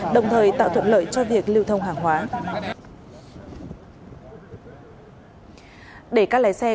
đồng thời tạo thuận lợi cho việc lưu thông hàng hóa